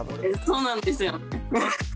そうなんですよね。